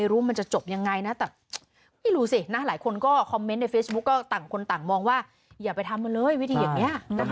รอรอรอรอรอรอรอรอรอรอรอรอรอ